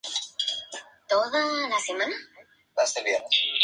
Además, detuvo a su oficial superior, que estaba implicado en la conspiración militar.